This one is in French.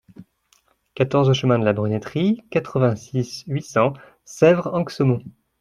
quatorze chemin de la Brunetterie, quatre-vingt-six, huit cents, Sèvres-Anxaumont